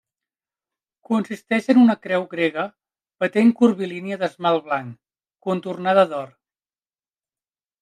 Consisteix en una creu grega patent curvilínia d'esmalt blanc, contornada d'or.